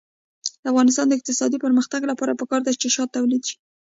د افغانستان د اقتصادي پرمختګ لپاره پکار ده چې شات تولید شي.